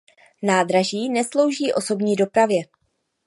Nádraží neslouží osobní dopravě.